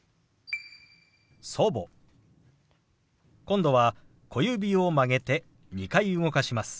今度は小指を曲げて２回動かします。